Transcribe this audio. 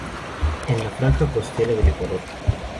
En la franja costera del Ecuador.